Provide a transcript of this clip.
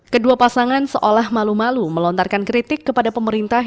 kedua pasangan seolah malu malu melontarkan kritik kepada pemerintah